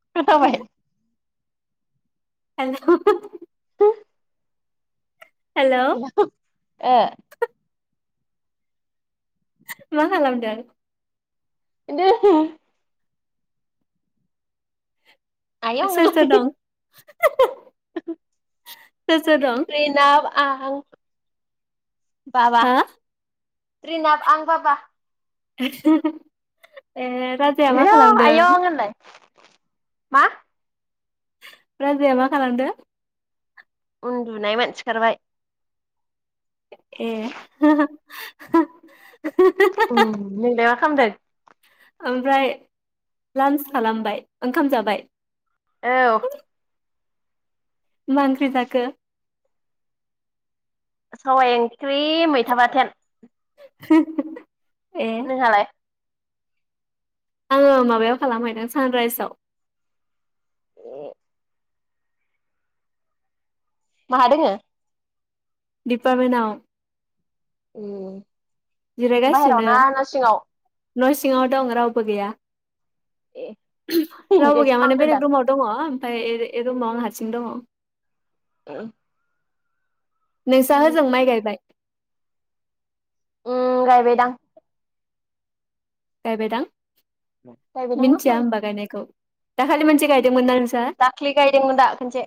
[unintelligible] [unintelligible] Hello ओ मा खालामदों? [unintelligible] आयाव सोर सोर दं सोर सोर दं प्रेना आं बाबा हा रिनाब आं बाबा [unintelligible] राजाया मा आयं खालामदों आयं होनलाय। [inaudible] मा? राजाया मा खालामदों? उन्दुनाय मोन सिखारबाय। ए। [inaudible] उम नों दा खामदों। ओमफ्राय लान्च खालामबाय ओंखाम जाबाय? औ। मा ओंख्रि जाखो? सबायाइ ओंख्रि मैथा बाथोन। [inaudible] नोंहालाय? आङो माबायाव खालामहैदों सानरायाइजआव ए [inaudible] माहा दोंङो? दिपार्मेन्ट आव। [inaudible] बायहेराव ना न' सिङाव? न' सिङाव दं रावबो गैया। ए रावबो बेनिखायसो गैया माने खालामदो दां बेलेग रुमाव दङ। ओफ्राय रुमाव हारसिं दङ। ओ [inaudible] नोंसा होजों माइ गायबाय? उम गायबायदां। गायबाय दां। गायबायदां ना मिन्थिआ माइ ओमबा गायनायखौ? दा खाालि मोनसे गायदोंमोना दाख्लि गायदोंमोन दा खनसे।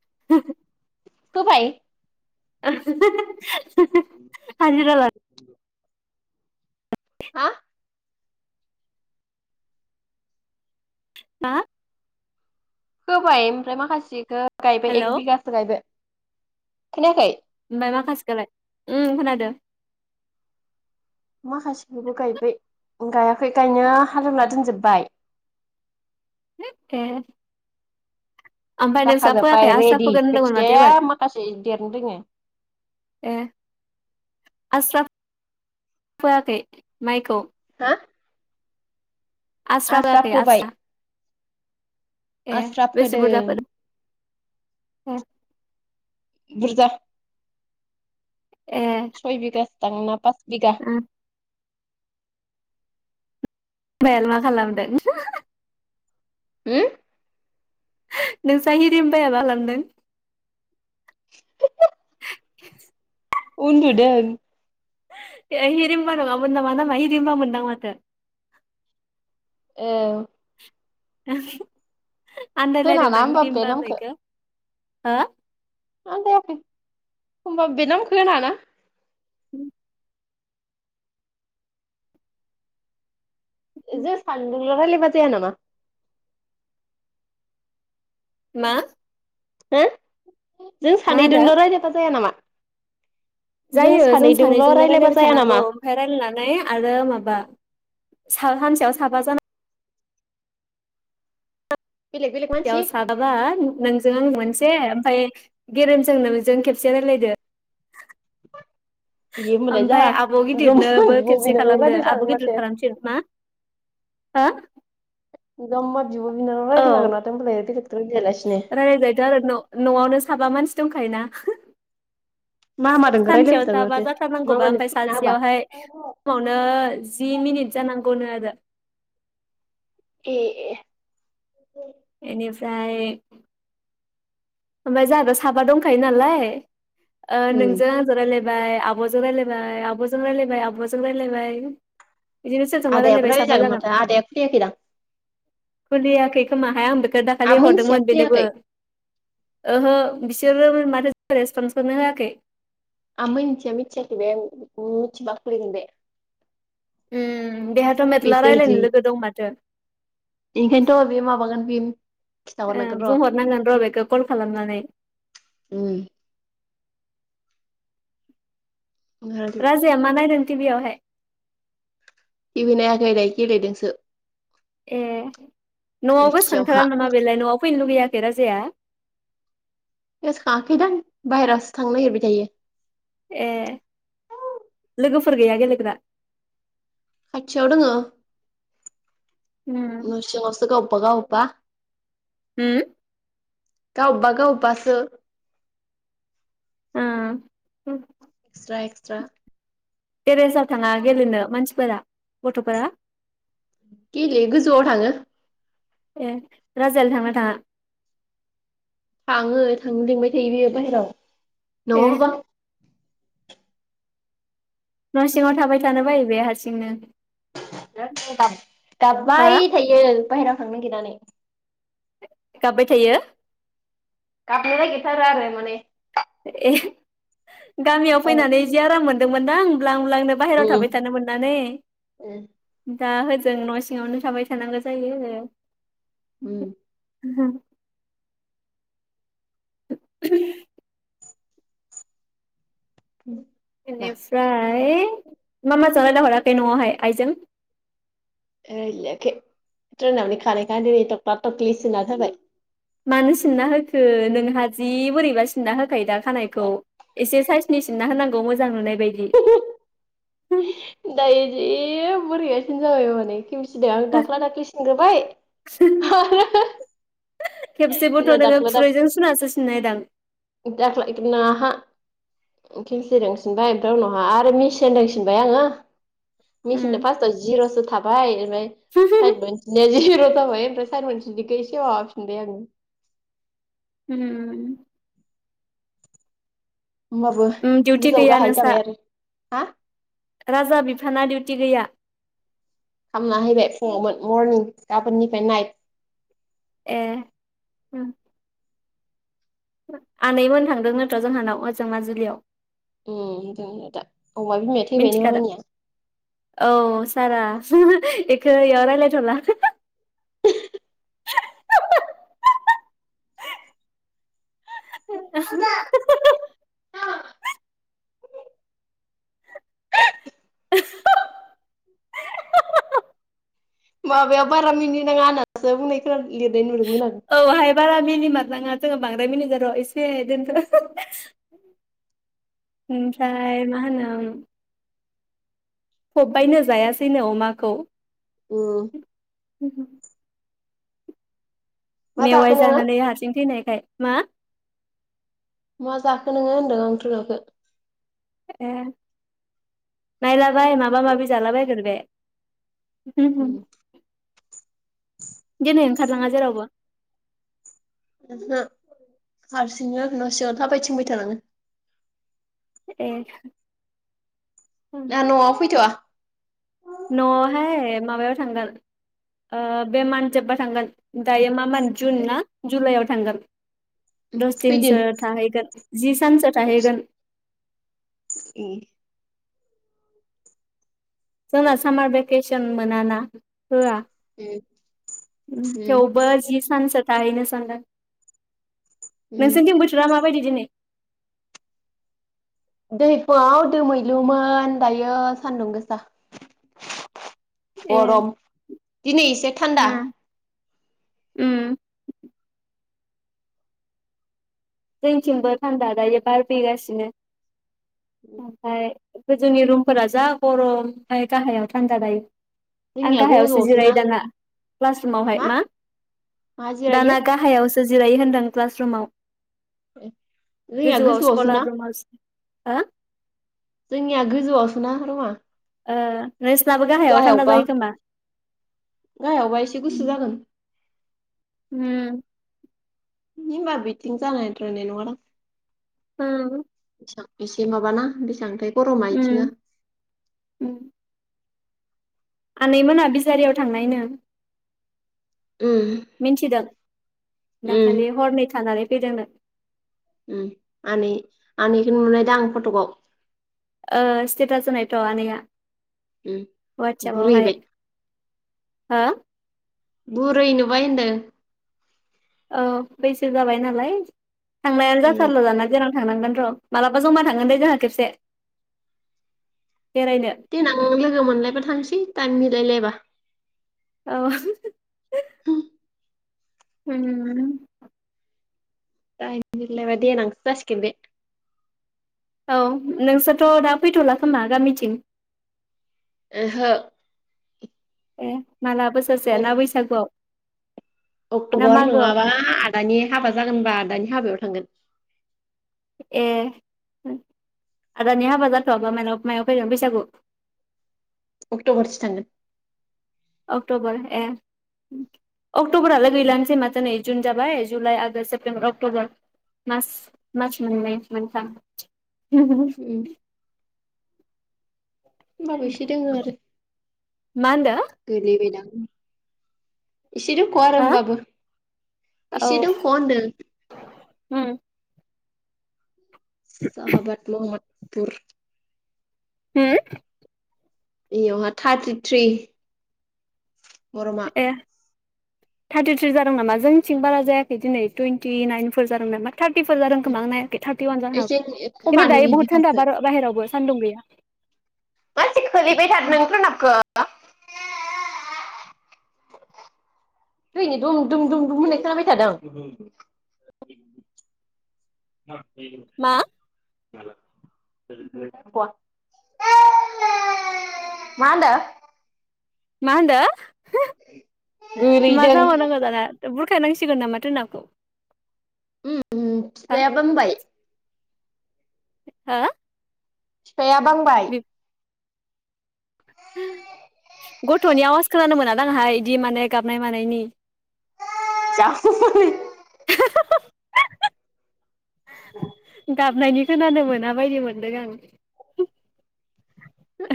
[inaudible] फोबाय? [inaudible] हाजिरा ला। [inaudible] हा? हा? होबाय ओमफ्राय माखासेखौ गायबाय हेलौ एक बिगाखौ गायबाय। खोनायाखै। ओमफ्राय माखासेखौलाय उम खोनादों। माखासेखौबो गायबाय गायाखै गायनो हालेवना दोनजोबबाय। [inaudible] ओमफ्राय नोंस्रा फोआखै जाखाजोबबाय आस्रा रेडि फोगोन होनदोंमोन माथो खोथिया एबार माखासे देरनो रोङो। ए आस्रा फोआखै माइखौ? हा? आस्राबाखै आस्रा? आस्राब फोदों। ह बुरजा ए सय बिगा। थांना था बिगा उम हौवायालाय मा खालामदों? हो? नों हिरिमबाया मा खालामदों? [inaudible] उन्दुदों। हिरिमबा नङामोन नामा नामा हिरिमबा मोन दां माथो? एह [unintelligible] आन्दायलायदों होनाना दां होमबा बे हिरिमबा नामखौ होननायखो? हो? आन्दायाखै होमबाबो बे नामखो होनाङा ना। उम जे सानदों नोंल रायलायबा जाया नामा? मा? हो? जों मा होनो सानैदोंल रायलायबा जाया नामा? जायो जों सानैजोंल' सानैजोंनो रायलायबा रायलायबाय जाया थानांगौ नामा ओमफाय रायलायनानै आरो माबा सा हानसेयाव साबा जानां बेलेग बेलेग याव मानसि साबाबा नोंजों आं मोनसे ओमफाय गेरेमजों नोजों खेबसे रायलायदो। ए होमबालाय ओमफाय जाहा आब जमा गिदिरनोबो बिब' खेबसे बिनानाव खालामदो रायज्लाय आब जागोन गिदिर माथो खालामफिन। मा? हो? जममा बिब बिनानाव औ रायलायनो हागोन माथो ओमबालाय। रायलायजायोथ आरो न नआवनो साबा मानसि दंखायोना। मा मादोंखौ सानसेयाव रायज्लायहरजागोन साबा माथो जाथार नांगौबा मामानो ओमफाय खुलिना होबा सासेयावहाय खमावनो जि मिनिट जानां गनो आरो। ए ए। इनिफ्राय ओमफाय जाहाथ साबा दंखायो नालाय। ओ उम नोंजों आंजो रायलाय बाय आब'जों रायलायबाय आब'जों रायलायबाय आब'जों रायलायबाय। बिदिनो सोरजोंबा आदायाबो रायलायबाय साबा रायलायजागोन जागोन माथो आदाया खुलियाखैदां। खुलियाखै खोमाहाय आंबो आ दाखालि मिथिया हरदोंमोन बेनोबो। खुलियाखै ओहो बिसोरो माथो रेसपन्सखोनो होआखै। आमोनथिया मिथियाखैबे मिथिबा खुलिगोन बे। उम। बेहाथ मेथला रायलायनो लोगो दं माथो। ओंखायथ बे माबागोन बे ओ खिथाहरनांगोन र' बुंहरनांगोन र बेखौ कल खालामनानै। उम राजाया मा नायदों। थिबियावहाय। थिबि नायाखै [unintelligible] गेलेदोंसो। ए नआव गोसखांथारा खोरखियावहा नामा बेलाय नआव फैनो लुबैया। बे राजाया। गोसखाङाखैदां बायह्रासो थांनो नागिरबाय थायो। ए लोगोफोर गैया गेलेग्रा। खाथियाव दङ। उम न सिंयावसो गावबा गाव। बा। होम। गावबा गावबासो। [unintelligible] Extra extra. टेरेसाव थाङा गेलेनो मानसिफोरा। गथ'फोरा। गेले गोजौआव थाङो। ए राजायालाय थांना थाङा। थाङो थांनो लिंबाय थायो बेयो ए बाहेराव। [unintelligible] न सिङाव थाबाय थानो बायो बे हारसिंनो। [unintelligible] हो गाबबाय थायो बायह्रा थांनो नागिरना गाबबाय थायो। गाबनो नागेरथारो आरो माने ए गामियाव फैनानै जि आराम मोन दो मोनदां ब्लां ब्लांनो बाहेराव उम थाबाय थानो मोननानै दा होजों न'सिङावनो थाबाय थानांगौ जायो। उम [unintelligible] [unintelligible] मा इनिफ्राय मा मा जानाय जाहराखै न'आवहाय आइजों [unintelligible] ट्रेनावनो खानायखो आं दिनि थख्ला थख्लि सिनना फायबाय। मानो सिनना होखो नोंहा जि बोरैबा सिनना होखायो दा खानायखौ इसे सायेसनि सिनना होनांगौ मोजां नुनाय बादि। दायो जि बोरैबा सिनजाखायोबो माने केमसि सिदो आं दाख्ला दाख्लि सिनग्रोबाय आरो खेबसेबोथ' नोङो दाख्ला खुरैजों सुनासो सिननायदां। ओ खेमसिदों सिनबाय ओमफ्राय उनावहा आरो मिसिनजों सिनबाय आङो उम मेसिनदो फास्टआव जिर'सो थाब बाय ओमफाय साइद बायसिनि जिब [unintelligible] दे आङो उम होमबाबो उम डिउटि गोजौ गैया गाहाय नोंसा जाबाय आरो हा? राजा बिफाना दिउटि गैया? खामना फैबाय फुङावमोन मरनिं गाबोननिफ्राय नाइट ए आनैमोन थांदों नोथ' जोंहानाव ओजों माजुलियाव उम दोङो दा अमा बिमाया थैबाय नो मिथिखादों मामानिया। एखौ एयाव रायलायथला [unintelligible] [unintelligible] [unintelligible] माबायाव बारा मिनिनाङा होननासो बुंनायखोना लिरनाय नुदोंमोन आं औहाय बारा मिनिमात नाङा जोङो बांद्राय मिनिजार एसे दोनथ' ओमफ्राय मा होनो ओम फब्बायनो जायासैनो अमाखौ। उम [unintelligible] मा जाखो मेवाय नोङो जानानै हारसिं थैनाय फाय मा? मा जाखो नोङो होनदों आं [unintelligible] खो ए नायलाबाय माबा माबि जालाबायगोन बे। गेनेन खारनाङा जेरावबो। ओहो हारसिंनो न' सिङाव थाबायथिंबाय थानाङो। ए ना न'आव फैथ'आ न'आवहाय माबायाव थांगोन ओ बे मानजोब्बा थांगोन दायो मा मान जुन ना फैदों जुलाय थांगोन। उम दस दिनसो थाहैगोन। जि सानसो थाहैगोन। ए जोंना सामार भेकेसन मोनाना। होआ उम थेवबो जि सानसो थाहैनो सानदों। उम नोंसोरनिथिं बोथोरा माब बायदि दिनै दोहै फुंआव दोमैलुमोन दायो सान्दुं गोसा। ए गरम दिनै एसे थान्दा। उम जोंनिथिं बो थान्दा दायो बार फैगासिनो ओमफाय गोजौनि रुमफोरा जा गरम ओमफाय गाहायाव थान्दा दायो। आं जोंनिया गाहायावसो गोजौआवसोना जिरायो दाना क्लास रुमावहाय मा मा जिरायो दाना गाहायावस थो जिरायो होनदों क्लास रुमाव। ए रिया गोजौआव स्कलार गोजौआवसोना रुमाव हो जोंनिया गोजौआवसो ना रुमा ओ‌ नोंसोनाबो गाहायाव थान्दा गाहायावबा जायो खोमा? गाहायावबा एसे गुसु जागोन। उम हि होमबा बिथिं जानायद्रायनाय नङा दां। होम थिखां एसे माबाना बेसां थाय गर मायथिङो उम आनैमोना बिसारियाव थांनायनो। उम मिन्थि दों उम दाखालि हरनै थानानै [unintelligible] उम आनै आनैखो नुलायदां फटकआव ओ स्टेटास होनायथ‌ आनैया उम अवाथसाफाव हाय बुरैबाय हा? बुरै नुबाय होनदो औ बैसो जाबाय नालाय थांनायानो उम जाथारला दाना बेरा थांनांगोन र' मालाबा जमा थांगोन दे जोंहा खेबसे बेरायनो देनां लोगो मोनलायबा थांसै थाएम‌ मिल लायलायबा औ होम थाइम मिलायबा देनांसो जासिगोन बे औ नोंसोरथ' दा फैथ'ला खोमा गामिथिं ओहो ए माला बोसरसे ना बैसागुआव? ना अक्ट'बर मागोआव नङाबा आदानि हाबा जागोनबा आदानि हाबायाव थांगोन। ए आदानि हाबा जाथ'आबा मायाव मायाव फैगोन फैसाागु? अक्ट'बरसो थांगोन अक्ट'बर ए उम अक्ट'बरालाय गैलानोसै माथो नै? जुन जाबाय जुलाइ, आगष, सेप्तेम्बर, अक्ट'बर मास मास मोननै मोनथाम उम [unintelligible] होमबाबो एसे दोङो आरो मा होनदो? गोलैबायदां? इसे दंख' आरो हो होनबाबो औ इसे दंख' होनदों। उम साहाबत महद बुर हम? बेयावहा थारथिथ्रि गरमा थारथिथ्रि जादों नामा जोंथिं बारा जायाखै दिनै टुइन्टि नाइनफोर जादों नामा थार्टिफोर जादों खोमा आं नाय थार्टि वान जनो हागौ एसे खिनथु खमानो दायो बहुद थान्दा बिदिखासो बार-बाहेरावबो। सान्दुं गैया मासि खोलैबाय थाद नों [unintelligible] [unintelligible] दुम दुम दुमु दुम होननाय खोनाबाय थादों [inaudible] मा [unintelligible] मा होनदों मा होनदो [unintelligible] मा गोलैदों। जाबाव नांगौ दाना बुर हो खानांसिगोन नामाथो नाखौ उम उम फिफाया बामबाय हा फिफाया बांबाय गथनि आवाज खोनानो मोना दांहाय इदि माने गाबनाय मानायनि जाव [inaudible] गाबनायनि खोनानो मोनाबायदिमोन दों आं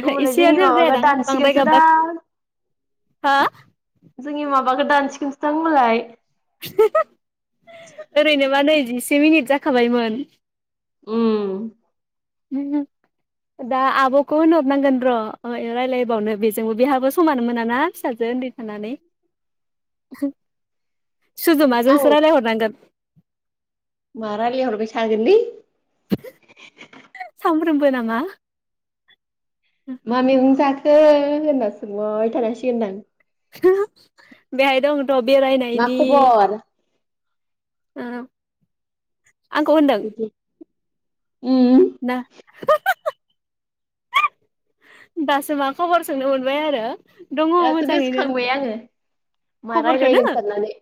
होमबालाय एसेया जोंनि जेबो माबाखौ दानसिगोनसो दां हो जोंनि माबाखौ दानसिगोनसो दां होमबालाय [unintelligible] ओरैनोबा नै जिस से मिनिट जाखाबायमोन उम दा आबखौ होनहरनांगोन र' रायलायबावनो बेजोंबो बेहाबो समानो मोना ना फिसाजो ओन्दै थानानै सुजुमाजोंसो रायलायहरनांगोन मा रालायहरबाय थागोनलै सामफ्रोमबो नामा मा मेगंजा खो हो होनना सोंहरबाय थानांसिगोनदां हो हो बेहाय दं मा बेरायनायनि खबर? औ आंखौ होनदों बिदि उम ना [inaudible] दासो मा खबर सोंनो मोनबाय आरो दङ दासो मोजाङैनो गोसोखांबाय आङो मा खबरखौनो रायलायगोन साननानै।